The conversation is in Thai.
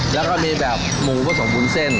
แล้วก็มีแบบหมูผู้สมบูรณ์เส้น